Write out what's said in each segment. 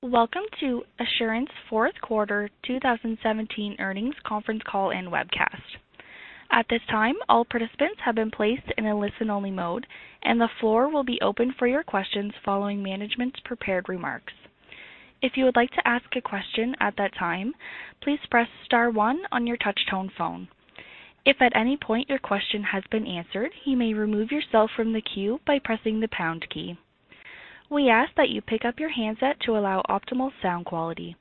Welcome to Assurant's fourth quarter 2017 earnings conference call and webcast. At this time, all participants have been placed in a listen-only mode, and the floor will be open for your questions following management's prepared remarks. If you would like to ask a question at that time, please press star one on your touch-tone phone. If at any point your question has been answered, you may remove yourself from the queue by pressing the pound key. We ask that you pick up your handset to allow optimal sound quality.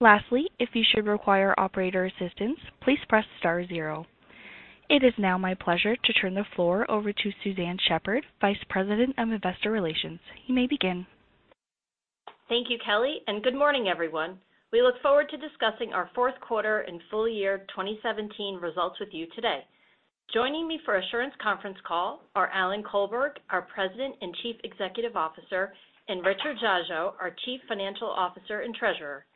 Lastly, if you should require operator assistance, please press star zero. It is now my pleasure to turn the floor over to Suzanne Shepherd, Vice President of Investor Relations. You may begin. Thank you, Kelly. Good morning, everyone. We look forward to discussing our fourth quarter and full year 2017 results with you today. Joining me for Assurant's conference call are Alan Colberg, our President and Chief Executive Officer, and Richard Dziadzio, our Chief Financial Officer and Treasurer.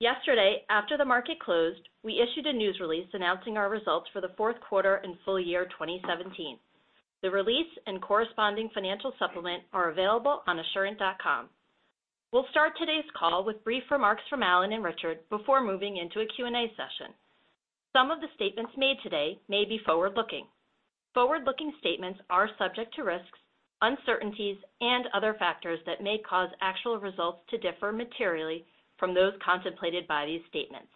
Yesterday, after the market closed, we issued a news release announcing our results for the fourth quarter and full year 2017. The release and corresponding financial supplement are available on assurant.com. We will start today's call with brief remarks from Alan and Richard before moving into a Q&A session. Some of the statements made today may be forward-looking. Forward-looking statements are subject to risks, uncertainties, and other factors that may cause actual results to differ materially from those contemplated by these statements.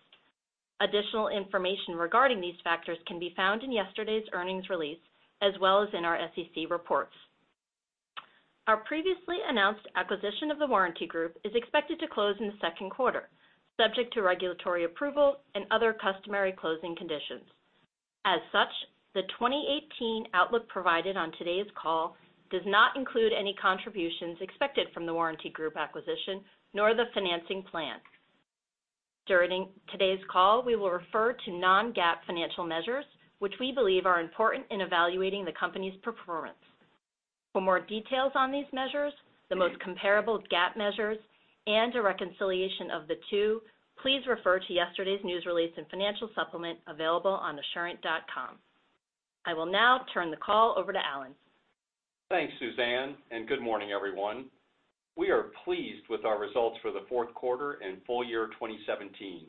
Additional information regarding these factors can be found in yesterday's earnings release, as well as in our SEC reports. Our previously announced acquisition of The Warranty Group is expected to close in the second quarter, subject to regulatory approval and other customary closing conditions. As such, the 2018 outlook provided on today's call does not include any contributions expected from The Warranty Group acquisition, nor the financing plan. During today's call, we will refer to non-GAAP financial measures, which we believe are important in evaluating the company's performance. For more details on these measures, the most comparable GAAP measures, and a reconciliation of the two, please refer to yesterday's news release and financial supplement available on assurant.com. I will now turn the call over to Alan. Thanks, Suzanne. Good morning, everyone. We are pleased with our results for the fourth quarter and full year 2017.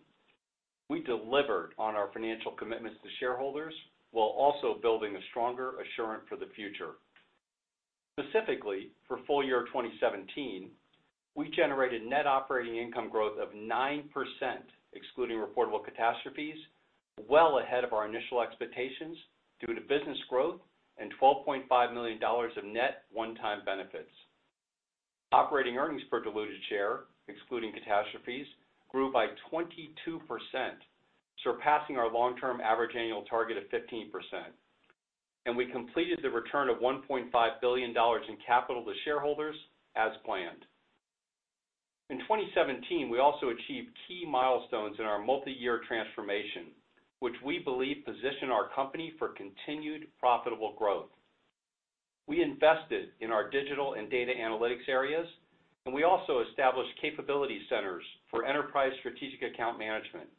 We delivered on our financial commitments to shareholders while also building a stronger Assurant for the future. Specifically, for full year 2017, we generated net operating income growth of 9%, excluding reportable catastrophes, well ahead of our initial expectations due to business growth and $12.5 million of net one-time benefits. Operating earnings per diluted share, excluding catastrophes, grew by 22%, surpassing our long-term average annual target of 15%. We completed the return of $1.5 billion in capital to shareholders as planned. In 2017, we also achieved key milestones in our multi-year transformation, which we believe position our company for continued profitable growth. We invested in our digital and data analytics areas. We also established capability centers for enterprise strategic account management,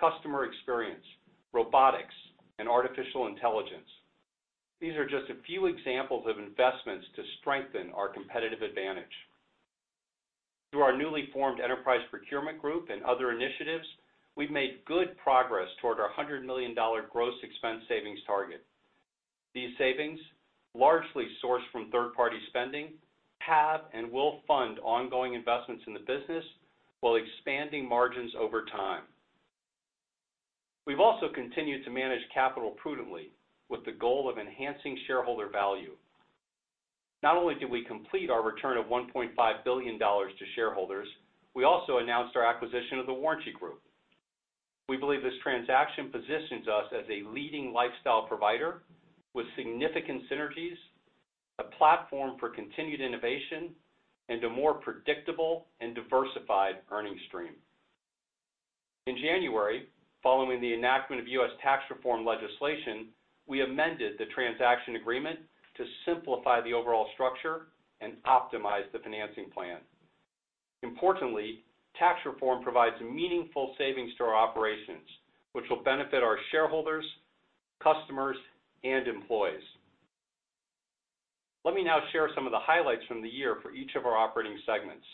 customer experience, robotics, and artificial intelligence. These are just a few examples of investments to strengthen our competitive advantage. Through our newly formed enterprise procurement group and other initiatives, we've made good progress toward our $100 million gross expense savings target. These savings, largely sourced from third-party spending, have and will fund ongoing investments in the business while expanding margins over time. We've also continued to manage capital prudently, with the goal of enhancing shareholder value. Not only did we complete our return of $1.5 billion to shareholders, we also announced our acquisition of The Warranty Group. We believe this transaction positions us as a leading lifestyle provider with significant synergies, a platform for continued innovation, and a more predictable and diversified earning stream. In January, following the enactment of U.S. tax reform legislation, we amended the transaction agreement to simplify the overall structure and optimize the financing plan. Importantly, tax reform provides meaningful savings to our operations, which will benefit our shareholders, customers, and employees. Let me now share some of the highlights from the year for each of our operating segments.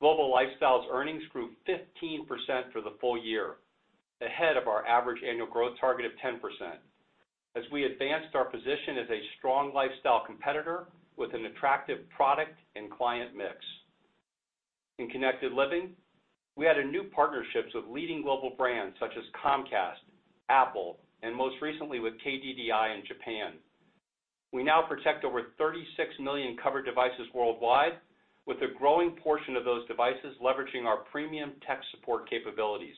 Global Lifestyle earnings grew 15% for the full year, ahead of our average annual growth target of 10%, as we advanced our position as a strong lifestyle competitor with an attractive product and client mix. In Connected Living, we added new partnerships with leading global brands such as Comcast, Apple, and most recently with KDDI in Japan. We now protect over 36 million covered devices worldwide, with a growing portion of those devices leveraging our premium tech support capabilities.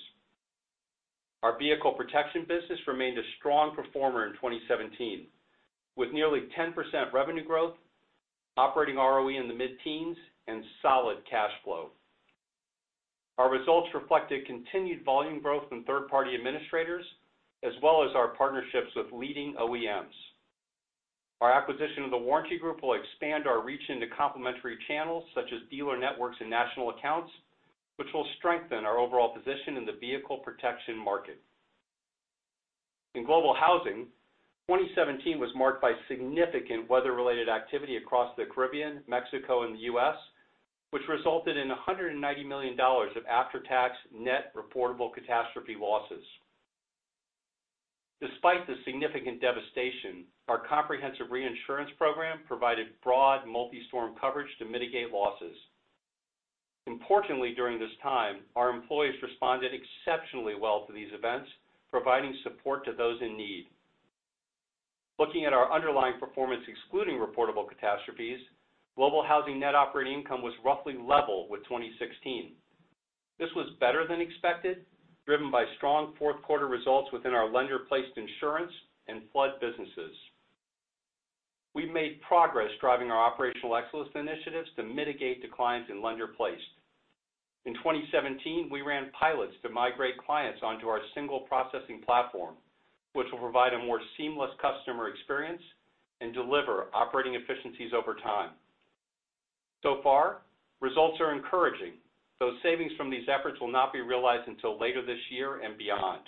Our Vehicle Protection business remained a strong performer in 2017, with nearly 10% revenue growth, operating ROE in the mid-teens, and solid cash flow. Our results reflected continued volume growth from third-party administrators, as well as our partnerships with leading OEMs. Our acquisition of The Warranty Group will expand our reach into complementary channels such as dealer networks and national accounts, which will strengthen our overall position in the Vehicle Protection market. In Global Housing, 2017 was marked by significant weather-related activity across the Caribbean, Mexico, and the U.S., which resulted in $190 million of after-tax net reportable catastrophe losses. Despite the significant devastation, our comprehensive reinsurance program provided broad multi-storm coverage to mitigate losses. Importantly, during this time, our employees responded exceptionally well to these events, providing support to those in need. Looking at our underlying performance, excluding reportable catastrophes, Global Housing net operating income was roughly level with 2016. This was better than expected, driven by strong fourth quarter results within our lender-placed insurance and flood businesses. We made progress driving our operational excellence initiatives to mitigate declines in lender-placed. In 2017, we ran pilots to migrate clients onto our single processing platform, which will provide a more seamless customer experience and deliver operating efficiencies over time. Results are encouraging, though savings from these efforts will not be realized until later this year and beyond.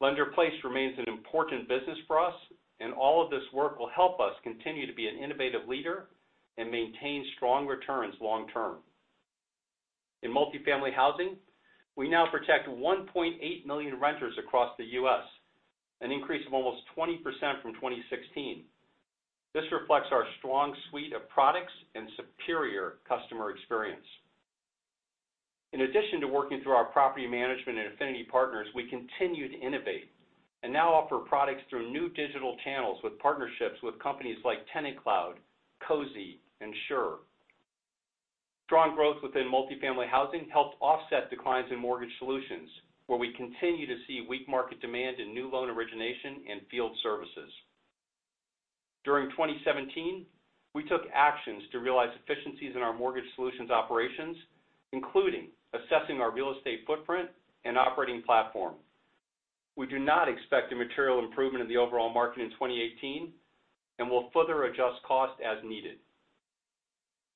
Lender-placed remains an important business for us. All of this work will help us continue to be an innovative leader and maintain strong returns long term. In multifamily housing, we now protect 1.8 million renters across the U.S., an increase of almost 20% from 2016. This reflects our strong suite of products and superior customer experience. In addition to working through our property management and affinity partners, we continue to innovate and now offer products through new digital channels with partnerships with companies like TenantCloud, Cozy, and Sure. Strong growth within multifamily housing helped offset declines in mortgage solutions, where we continue to see weak market demand in new loan origination and field services. During 2017, we took actions to realize efficiencies in our mortgage solutions operations, including assessing our real estate footprint and operating platform. We do not expect a material improvement in the overall market in 2018 and will further adjust cost as needed.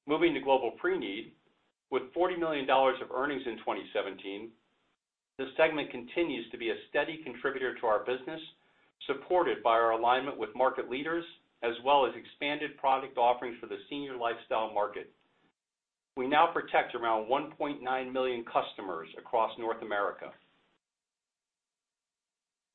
Moving to Global Preneed, with $40 million of earnings in 2017, this segment continues to be a steady contributor to our business, supported by our alignment with market leaders as well as expanded product offerings for the senior lifestyle market. We now protect around 1.9 million customers across North America.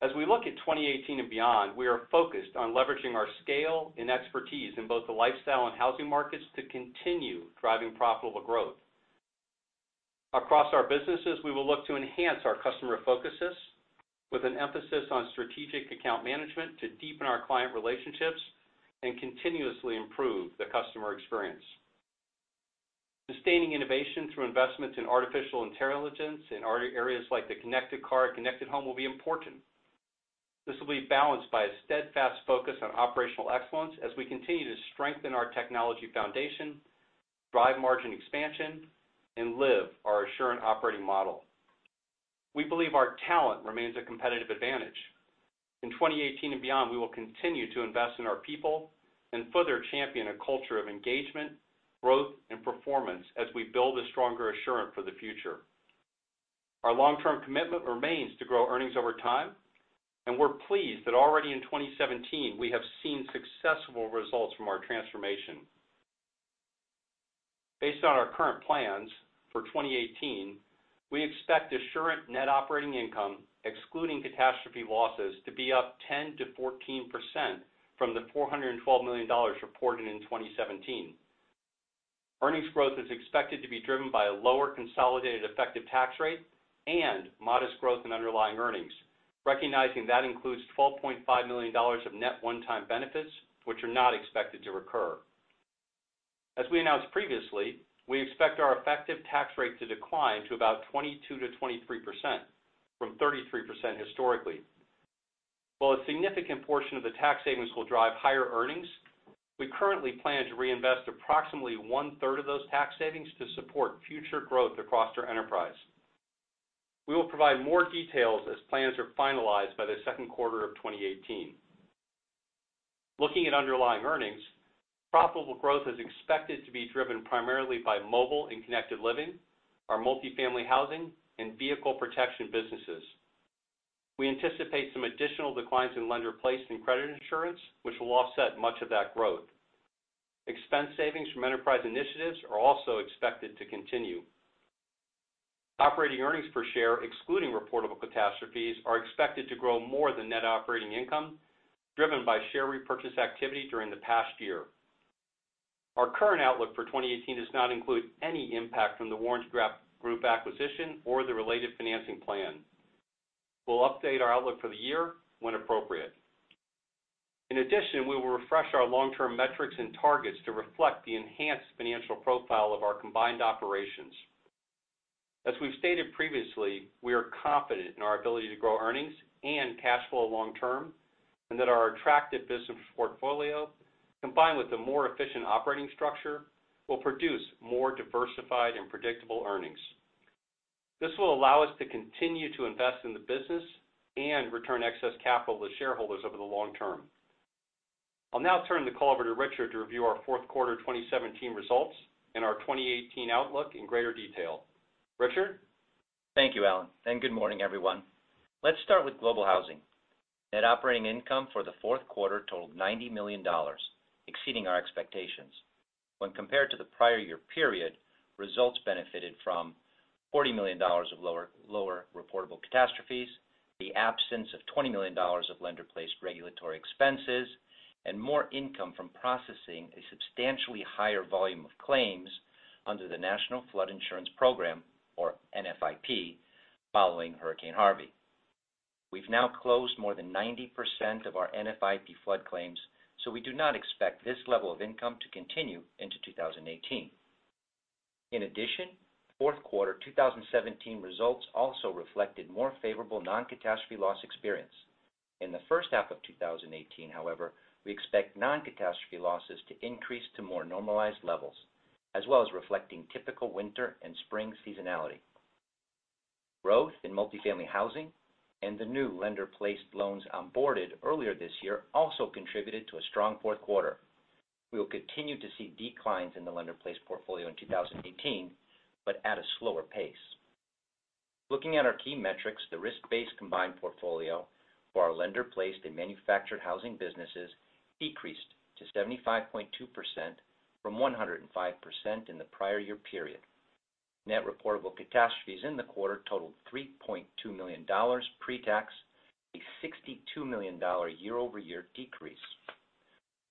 As we look at 2018 and beyond, we are focused on leveraging our scale and expertise in both the lifestyle and housing markets to continue driving profitable growth. Across our businesses, we will look to enhance our customer focuses with an emphasis on strategic account management to deepen our client relationships and continuously improve the customer experience. Sustaining innovation through investments in artificial intelligence in areas like the connected car and connected home will be important. This will be balanced by a steadfast focus on operational excellence as we continue to strengthen our technology foundation, drive margin expansion, and live our Assurant operating model. We believe our talent remains a competitive advantage. In 2018 and beyond, we will continue to invest in our people and further champion a culture of engagement, growth, and performance as we build a stronger Assurant for the future. Our long-term commitment remains to grow earnings over time, we're pleased that already in 2017 we have seen successful results from our transformation. Based on our current plans for 2018, we expect Assurant net operating income excluding catastrophe losses to be up 10%-14% from the $412 million reported in 2017. Earnings growth is expected to be driven by a lower consolidated effective tax rate and modest growth in underlying earnings, recognizing that includes $12.5 million of net one-time benefits, which are not expected to recur. As we announced previously, we expect our effective tax rate to decline to about 22%-23%, from 33% historically. While a significant portion of the tax savings will drive higher earnings, we currently plan to reinvest approximately one-third of those tax savings to support future growth across our enterprise. We will provide more details as plans are finalized by the second quarter of 2018. Looking at underlying earnings, profitable growth is expected to be driven primarily by mobile and Connected Living, our multifamily housing, and Vehicle Protection businesses. We anticipate some additional declines in lender-placed and credit insurance, which will offset much of that growth. Expense savings from enterprise initiatives are also expected to continue. Operating earnings per share, excluding reportable catastrophes, are expected to grow more than net operating income, driven by share repurchase activity during the past year. Our current outlook for 2018 does not include any impact from The Warranty Group acquisition or the related financing plan. We'll update our outlook for the year when appropriate. In addition, we will refresh our long-term metrics and targets to reflect the enhanced financial profile of our combined operations. As we've stated previously, we are confident in our ability to grow earnings and cash flow long term, and that our attractive business portfolio, combined with the more efficient operating structure, will produce more diversified and predictable earnings. This will allow us to continue to invest in the business and return excess capital to shareholders over the long term. I'll now turn the call over to Richard to review our fourth quarter 2017 results and our 2018 outlook in greater detail. Richard? Thank you, Alan, and good morning, everyone. Let's start with Global Housing. Net operating income for the fourth quarter totaled $90 million, exceeding our expectations. When compared to the prior year period, results benefited from $40 million of lower reportable catastrophes, the absence of $20 million of lender-placed regulatory expenses, and more income from processing a substantially higher volume of claims under the National Flood Insurance Program, or NFIP, following Hurricane Harvey. We've now closed more than 90% of our NFIP flood claims. We do not expect this level of income to continue into 2018. In addition, fourth quarter 2017 results also reflected more favorable non-catastrophe loss experience. In the first half of 2018, however, we expect non-catastrophe losses to increase to more normalized levels, as well as reflecting typical winter and spring seasonality. Growth in Multifamily Housing and the new lender-placed loans onboarded earlier this year also contributed to a strong fourth quarter. We will continue to see declines in the lender-placed portfolio in 2018, at a slower pace. Looking at our key metrics, the risk-based combined portfolio for our lender-placed and Manufactured Housing businesses decreased to 75.2% from 105% in the prior year period. Net reportable catastrophes in the quarter totaled $3.2 million pre-tax, a $62 million year-over-year decrease.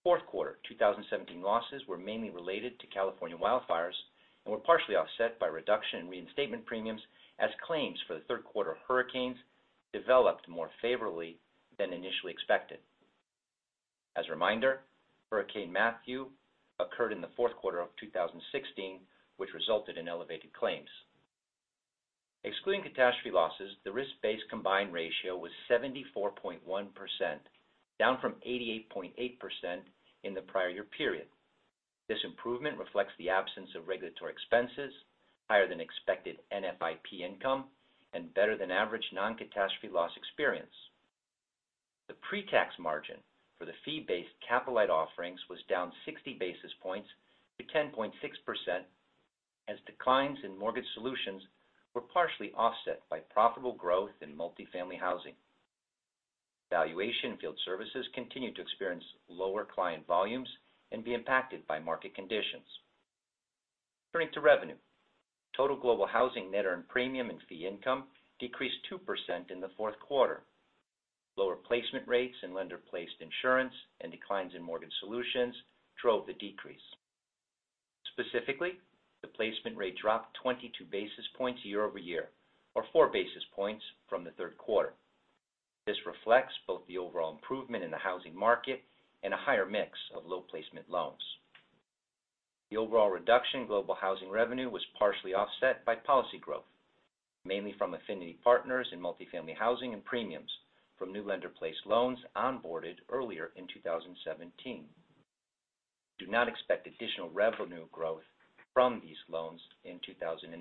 Fourth quarter 2017 losses were mainly related to California wildfires and were partially offset by a reduction in reinstatement premiums as claims for the third quarter hurricanes developed more favorably than initially expected. As a reminder, Hurricane Matthew occurred in the fourth quarter of 2016, which resulted in elevated claims. Excluding catastrophe losses, the risk-based combined ratio was 74.1%, down from 88.8% in the prior year period. This improvement reflects the absence of regulatory expenses, higher-than-expected NFIP income, and better than average non-catastrophe loss experience. The pre-tax margin for the fee-based capital-light offerings was down 60 basis points to 10.6% as declines in Mortgage Solutions were partially offset by profitable growth in Multifamily Housing. Valuation field services continued to experience lower client volumes and be impacted by market conditions. Turning to revenue. Total Global Housing net earned premium and fee income decreased 2% in the fourth quarter. Lower placement rates in lender-placed insurance and declines in Mortgage Solutions drove the decrease. Specifically, the placement rate dropped 22 basis points year-over-year or four basis points from the third quarter. This reflects both the overall improvement in the housing market and a higher mix of low placement loans. The overall reduction in Global Housing revenue was partially offset by policy growth, mainly from affinity partners in multifamily housing and premiums from new lender-placed loans onboarded earlier in 2017. Do not expect additional revenue growth from these loans in 2018.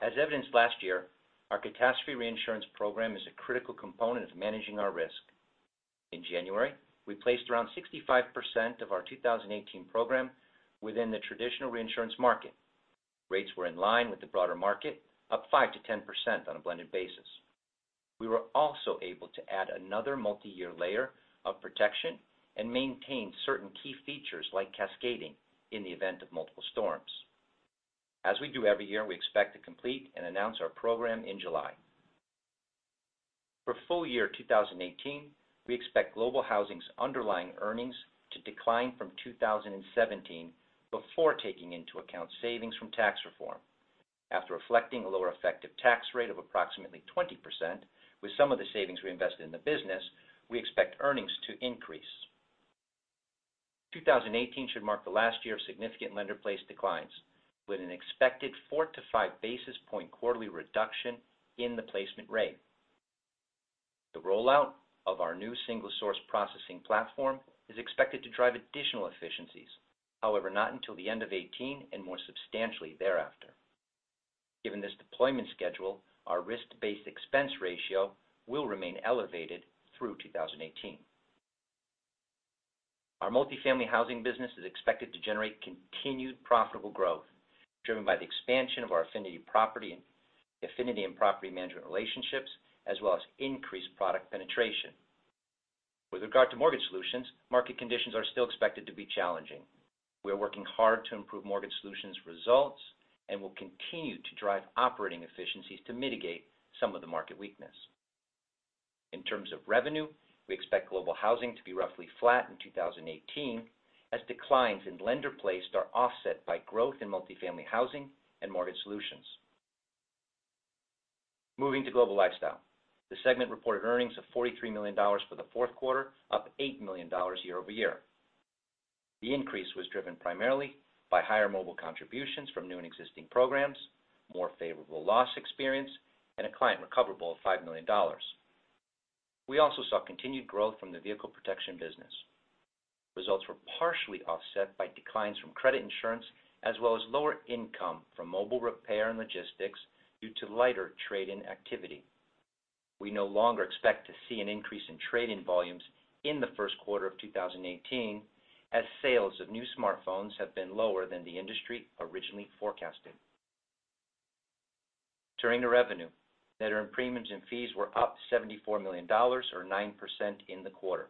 As evidenced last year, our catastrophe reinsurance program is a critical component of managing our risk. In January, we placed around 65% of our 2018 program within the traditional reinsurance market. Rates were in line with the broader market, up 5%-10% on a blended basis. We were also able to add another multi-year layer of protection and maintain certain key features like cascading in the event of multiple storms. As we do every year, we expect to complete and announce our program in July. For full year 2018, we expect Global Housing's underlying earnings to decline from 2017 before taking into account savings from tax reform. After reflecting a lower effective tax rate of approximately 20%, with some of the savings we invested in the business, we expect earnings to increase. 2018 should mark the last year of significant lender-placed declines, with an expected four to five basis point quarterly reduction in the placement rate. The rollout of our new single-source processing platform is expected to drive additional efficiencies, however, not until the end of 2018 and more substantially thereafter. Given this deployment schedule, our risk-based expense ratio will remain elevated through 2018. Our multifamily housing business is expected to generate continued profitable growth, driven by the expansion of our affinity and property management relationships, as well as increased product penetration. With regard to Mortgage Solutions, market conditions are still expected to be challenging. We are working hard to improve Mortgage Solutions results and will continue to drive operating efficiencies to mitigate some of the market weakness. In terms of revenue, we expect Global Housing to be roughly flat in 2018 as declines in lender-placed are offset by growth in multifamily housing and Mortgage Solutions. Moving to Global Lifestyle. The segment reported earnings of $43 million for the fourth quarter, up $8 million year-over-year. The increase was driven primarily by higher mobile contributions from new and existing programs, more favorable loss experience, and a client recoverable of $5 million. We also saw continued growth from the Vehicle Protection business. Results were partially offset by declines from credit insurance as well as lower income from mobile repair and logistics due to lighter trade-in activity. We no longer expect to see an increase in trade-in volumes in the first quarter of 2018, as sales of new smartphones have been lower than the industry originally forecasted. Turning to revenue. Net earned premiums and fees were up $74 million or 9% in the quarter.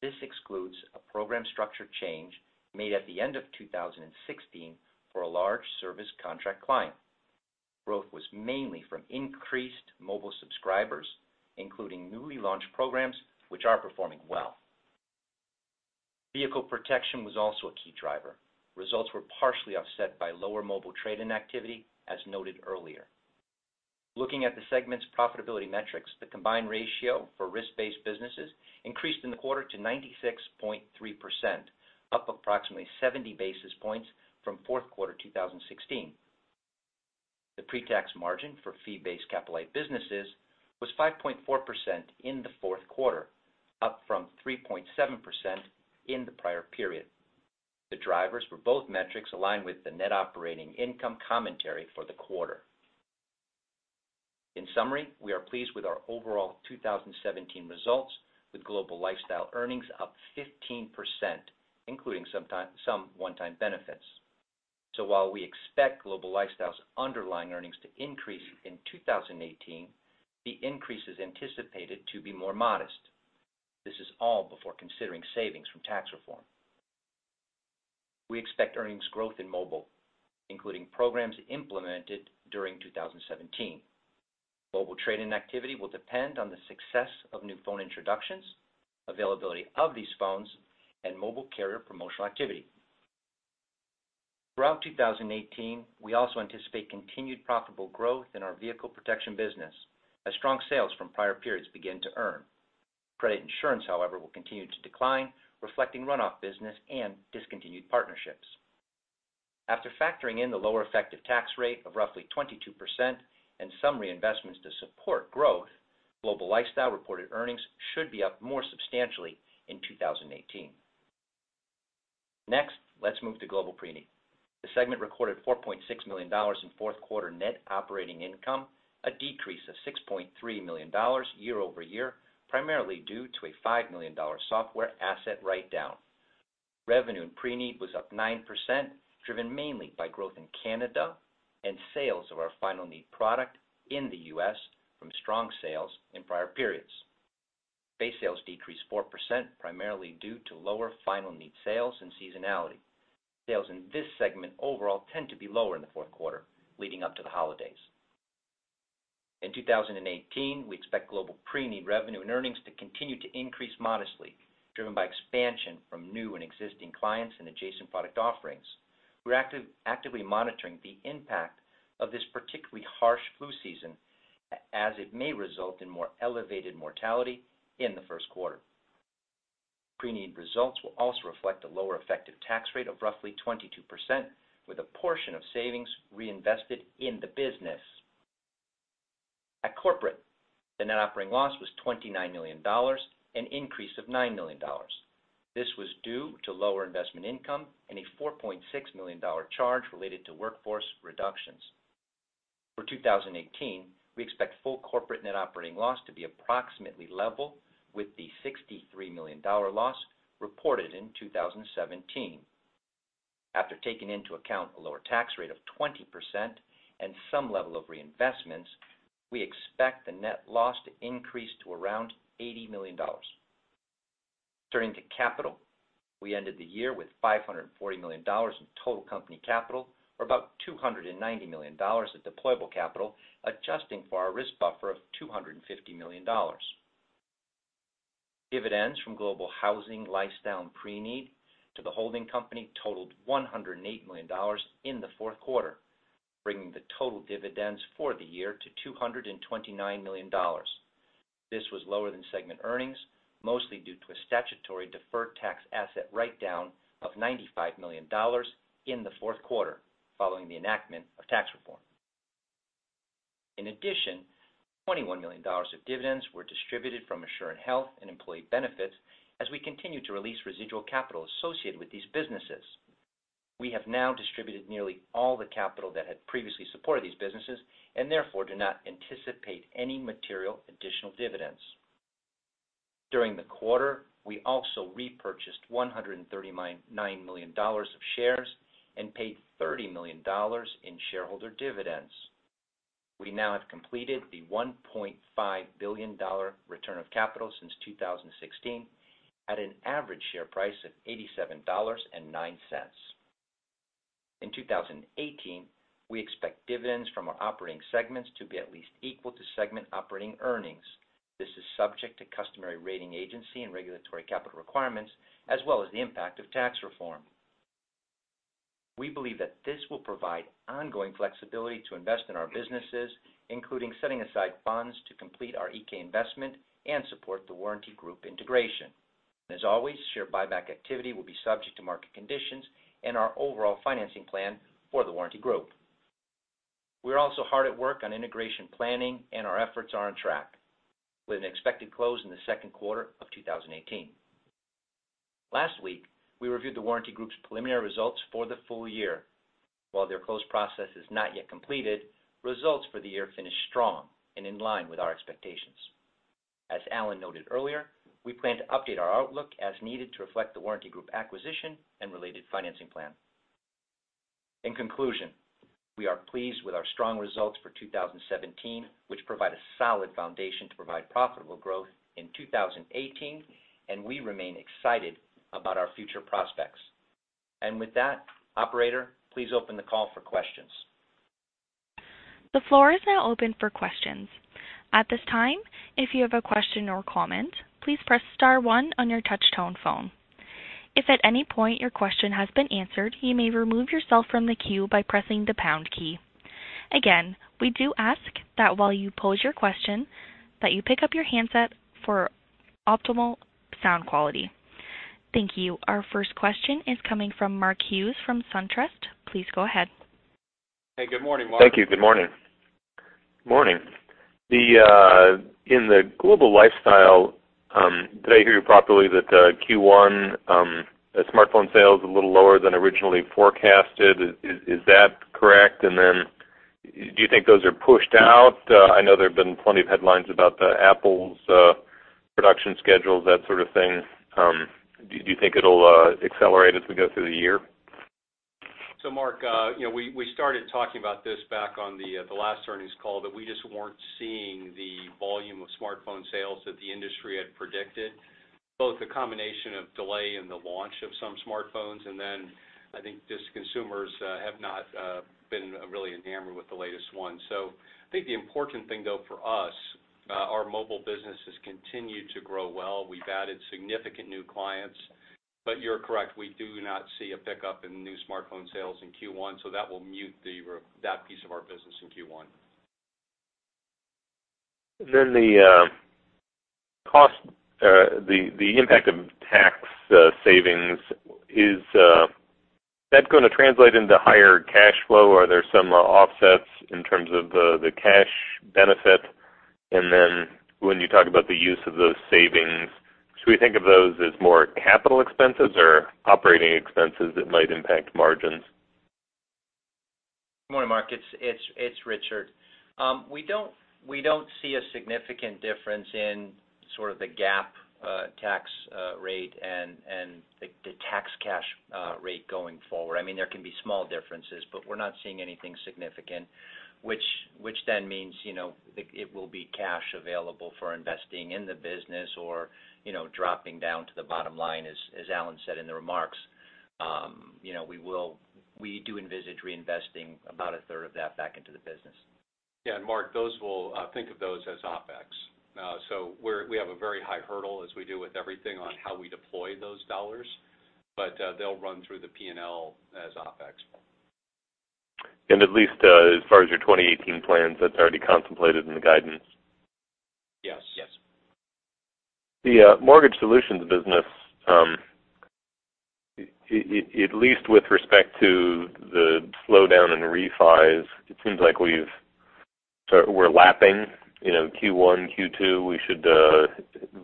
This excludes a program structure change made at the end of 2016 for a large service contract client. Growth was mainly from increased mobile subscribers, including newly launched programs which are performing well. Vehicle Protection was also a key driver. Results were partially offset by lower mobile trade-in activity, as noted earlier. Looking at the segment's profitability metrics, the combined ratio for risk-based businesses increased in the quarter to 96.3%, up approximately 70 basis points from fourth quarter 2016. The pre-tax margin for fee-based capital-light businesses was 5.4% in the fourth quarter, up from 3.7% in the prior period. The drivers for both metrics align with the net operating income commentary for the quarter. In summary, we are pleased with our overall 2017 results, with Global Lifestyle earnings up 15%, including some one-time benefits. While we expect Global Lifestyle's underlying earnings to increase in 2018, the increase is anticipated to be more modest. This is all before considering savings from tax reform. We expect earnings growth in mobile, including programs implemented during 2017. Mobile trade-in activity will depend on the success of new phone introductions, availability of these phones, and mobile carrier promotional activity. Throughout 2018, we also anticipate continued profitable growth in our Vehicle Protection business as strong sales from prior periods begin to earn. Credit insurance, however, will continue to decline, reflecting runoff business and discontinued partnerships. After factoring in the lower effective tax rate of roughly 22% and some reinvestments to support growth, Global Lifestyle reported earnings should be up more substantially in 2018. Next, let's move to Global Preneed. The segment recorded $4.6 million in fourth quarter net operating income, a decrease of $6.3 million year-over-year, primarily due to a $5 million software asset write-down. Revenue in Preneed was up 9%, driven mainly by growth in Canada and sales of our Final Need product in the U.S. from strong sales in prior periods. Base sales decreased 4%, primarily due to lower Final Need sales and seasonality. Sales in this segment overall tend to be lower in the fourth quarter, leading up to the holidays. In 2018, we expect Global Preneed revenue and earnings to continue to increase modestly, driven by expansion from new and existing clients and adjacent product offerings. We're actively monitoring the impact of this particularly harsh flu season as it may result in more elevated mortality in the first quarter. Preneed results will also reflect a lower effective tax rate of roughly 22%, with a portion of savings reinvested in the business. At corporate, the net operating loss was $29 million, an increase of $9 million. This was due to lower investment income and a $4.6 million charge related to workforce reductions. For 2018, we expect full corporate net operating loss to be approximately level with the $63 million loss reported in 2017. After taking into account a lower tax rate of 20% and some level of reinvestments, we expect the net loss to increase to around $80 million. Turning to capital, we ended the year with $540 million in total company capital, or about $290 million of deployable capital, adjusting for our risk buffer of $250 million. Dividends from Global Housing, Lifestyle, and Preneed to the holding company totaled $108 million in the fourth quarter, bringing the total dividends for the year to $229 million. This was lower than segment earnings, mostly due to a statutory deferred tax asset write-down of $95 million in the fourth quarter following the enactment of tax reform. In addition, $21 million of dividends were distributed from Assurant Health and Employee Benefits as we continue to release residual capital associated with these businesses. We have now distributed nearly all the capital that had previously supported these businesses and therefore do not anticipate any material additional dividends. During the quarter, we also repurchased $139 million of shares and paid $30 million in shareholder dividends. We now have completed the $1.5 billion return of capital since 2016 at an average share price of $87.09. In 2018, we expect dividends from our operating segments to be at least equal to segment operating earnings. This is subject to customary rating agency and regulatory capital requirements, as well as the impact of tax reform. We believe that this will provide ongoing flexibility to invest in our businesses, including setting aside funds to complete our Iké investment and support The Warranty Group integration. As always, share buyback activity will be subject to market conditions and our overall financing plan for The Warranty Group. We're also hard at work on integration planning, our efforts are on track, with an expected close in the second quarter of 2018. Last week, we reviewed The Warranty Group's preliminary results for the full year. While their close process is not yet completed, results for the year finished strong and in line with our expectations. As Alan noted earlier, we plan to update our outlook as needed to reflect The Warranty Group acquisition and related financing plan. In conclusion, we are pleased with our strong results for 2017, which provide a solid foundation to provide profitable growth in 2018, and we remain excited about our future prospects. With that, operator, please open the call for questions. The floor is now open for questions. At this time, if you have a question or comment, please press star one on your touch-tone phone. If at any point your question has been answered, you may remove yourself from the queue by pressing the pound key. Again, we do ask that while you pose your question, that you pick up your handset for optimal sound quality. Thank you. Our first question is coming from Mark Hughes from SunTrust. Please go ahead. Hey, good morning, Mark. Thank you. Good morning. In the Global Lifestyle, did I hear you properly that Q1 smartphone sales a little lower than originally forecasted? Is that correct? Do you think those are pushed out? I know there have been plenty of headlines about Apple's production schedules, that sort of thing. Do you think it'll accelerate as we go through the year? Mark, we started talking about this back on the last earnings call, that we just weren't seeing the volume of smartphone sales that the industry had predicted, both a combination of delay in the launch of some smartphones, I think just consumers have not been really enamored with the latest one. I think the important thing, though, for us, our mobile business has continued to grow well. We've added significant new clients. You're correct, we do not see a pickup in new smartphone sales in Q1, that will mute that piece of our business in Q1. The impact of tax savings, is that going to translate into higher cash flow? Are there some offsets in terms of the cash benefit? When you talk about the use of those savings, should we think of those as more capital expenses or operating expenses that might impact margins? Good morning, Mark. It's Richard. We don't see a significant difference in sort of the GAAP tax rate and the tax cash rate going forward. There can be small differences, we're not seeing anything significant, which means it will be cash available for investing in the business or dropping down to the bottom line, as Alan said in the remarks. We do envisage reinvesting about a third of that back into the business. Mark, think of those as OpEx. We have a very high hurdle, as we do with everything, on how we deploy those dollars, but they'll run through the P&L as OpEx. At least as far as your 2018 plans, that's already contemplated in the guidance. Yes. Yes. The Mortgage Solutions business at least with respect to the slowdown in refis, it seems like we're lapping Q1, Q2. We should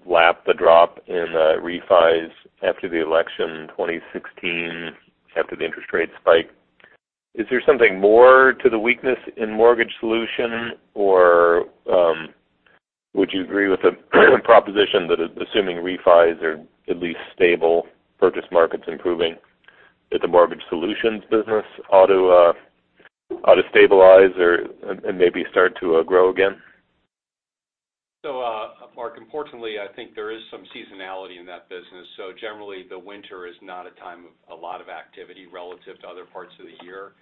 lap the drop in refis after the election 2016, after the interest rate spike. Is there something more to the weakness in Mortgage Solutions, or would you agree with the proposition that assuming refis are at least stable, purchase markets improving that the Mortgage Solutions business ought to stabilize and maybe start to grow again? Mark, unfortunately, I think there is some seasonality in that business. Generally, the winter is not a time of a lot of activity relative to other parts of the year.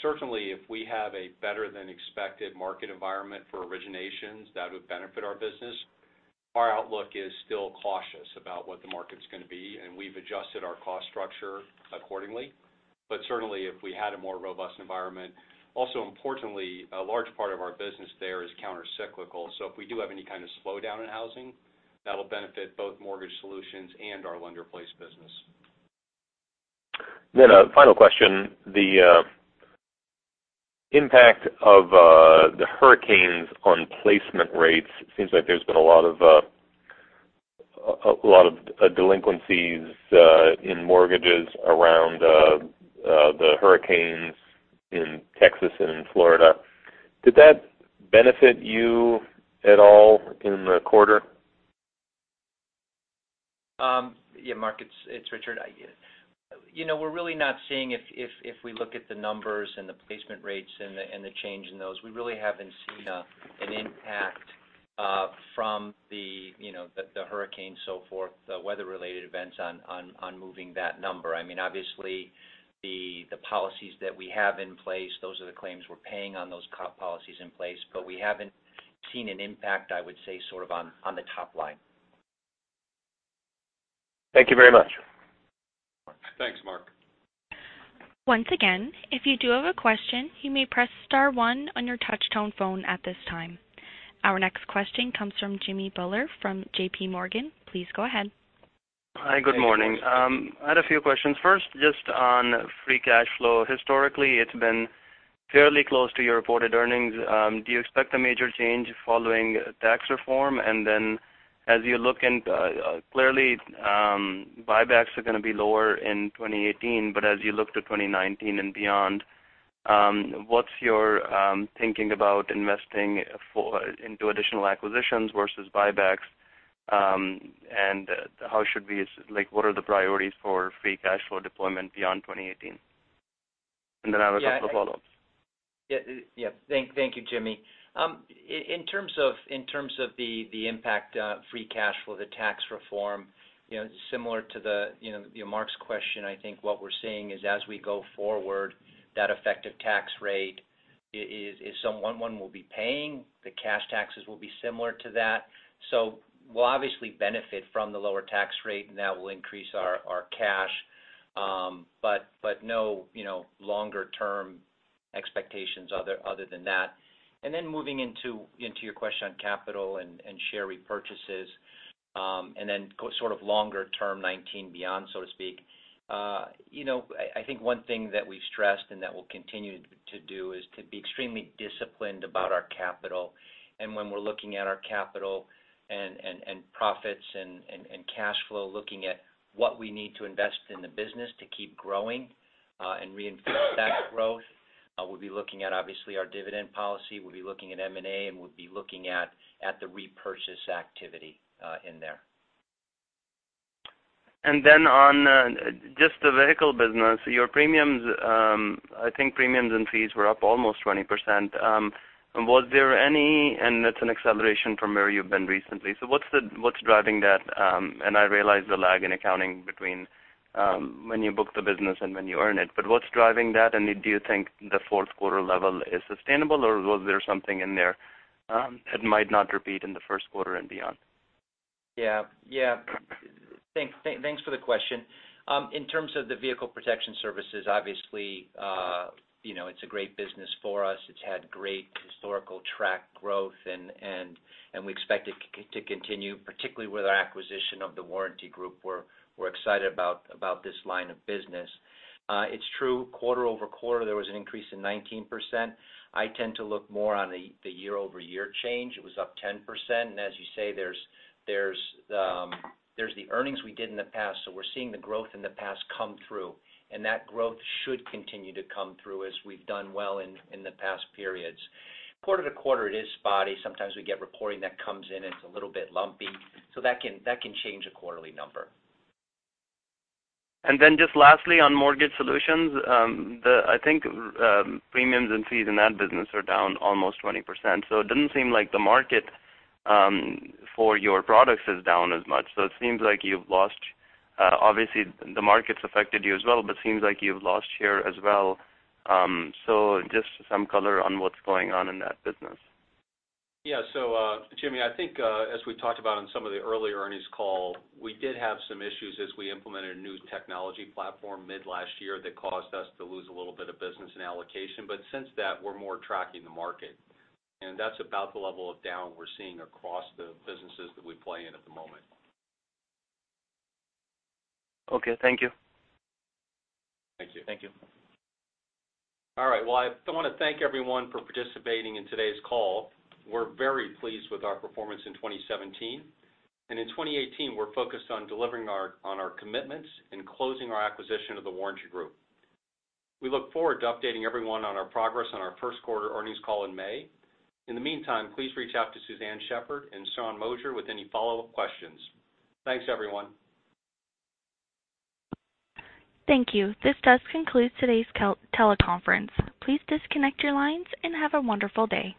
Certainly, if we have a better-than-expected market environment for originations, that would benefit our business. Our outlook is still cautious about what the market's going to be, and we've adjusted our cost structure accordingly. Certainly, if we had a more robust environment. Importantly, a large part of our business there is counter-cyclical. If we do have any kind of slowdown in housing, that'll benefit both Mortgage Solutions and our lender-placed business. A final question. The impact of the hurricanes on placement rates, it seems like there's been a lot of delinquencies in mortgages around the hurricanes in Texas and in Florida. Did that benefit you at all in the quarter? Yeah, Mark, it's Richard. We're really not seeing, if we look at the numbers and the placement rates and the change in those, we really haven't seen an impact from the hurricane so forth, the weather-related events on moving that number. Obviously, the policies that we have in place, those are the claims we're paying on those policies in place, but we haven't seen an impact, I would say, sort of on the top line. Thank you very much. Thanks, Mark. Once again, if you do have a question, you may press star one on your touch-tone phone at this time. Our next question comes from Jimmy Bhullar from JPMorgan. Please go ahead. Hi, good morning. I had a few questions. First, just on free cash flow. Historically, it's been fairly close to your reported earnings. Do you expect a major change following tax reform? Clearly, buybacks are going to be lower in 2018. As you look to 2019 and beyond, what's your thinking about investing into additional acquisitions versus buybacks? What are the priorities for free cash flow deployment beyond 2018? I have a couple of follow-ups. Yeah. Thank you, Jimmy. In terms of the impact of free cash flow, the tax reform, similar to Mark's question, I think what we're seeing is as we go forward, that effective tax rate is someone, one, will be paying. The cash taxes will be similar to that. We'll obviously benefit from the lower tax rate, and that will increase our cash. No longer term expectations other than that. Moving into your question on capital and share repurchases, and then sort of longer term 2019 beyond, so to speak. I think one thing that we've stressed and that we'll continue to do is to be extremely disciplined about our capital. When we're looking at our capital and profits and cash flow, looking at what we need to invest in the business to keep growing and reinforce that growth, we'll be looking at, obviously, our dividend policy. We'll be looking at M&A, we'll be looking at the repurchase activity in there. On just the Vehicle Protection business, your premiums, I think premiums and fees were up almost 20%. Was there any, that's an acceleration from where you've been recently. What's driving that? I realize the lag in accounting between when you book the business and when you earn it. What's driving that, and do you think the fourth quarter level is sustainable, or was there something in there that might not repeat in the first quarter and beyond? Thanks for the question. In terms of the Vehicle Protection services, obviously, it's a great business for us. It's had great historical track growth, and we expect it to continue, particularly with our acquisition of The Warranty Group. We're excited about this line of business. It's true, quarter-over-quarter, there was an increase in 19%. I tend to look more on the year-over-year change. It was up 10%. As you say, there's the earnings we did in the past. We're seeing the growth in the past come through. That growth should continue to come through as we've done well in the past periods. Quarter to quarter, it is spotty. Sometimes we get reporting that comes in, and it's a little bit lumpy. That can change a quarterly number. Just lastly, on Mortgage Solutions, I think premiums and fees in that business are down almost 20%. It doesn't seem like the market for your products is down as much. It seems like you've lost, obviously the market's affected you as well, but seems like you've lost here as well. Just some color on what's going on in that business. Jimmy, I think as we talked about on some of the earlier earnings call, we did have some issues as we implemented a new technology platform mid last year that caused us to lose a little bit of business and allocation. Since that, we're more tracking the market. That's about the level of down we're seeing across the businesses that we play in at the moment. Okay, thank you. Thank you. Thank you. All right. Well, I want to thank everyone for participating in today's call. We're very pleased with our performance in 2017. In 2018, we're focused on delivering on our commitments and closing our acquisition of The Warranty Group. We look forward to updating everyone on our progress on our first quarter earnings call in May. In the meantime, please reach out to Suzanne Shepherd and Sean Moshier with any follow-up questions. Thanks, everyone. Thank you. This does conclude today's teleconference. Please disconnect your lines and have a wonderful day.